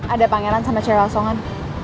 ada pangeran sama cewek osongan